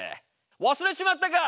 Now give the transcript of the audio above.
忘れちまったか？